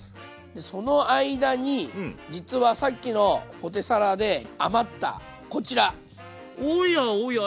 その間に実はさっきのポテサラで余ったこちら！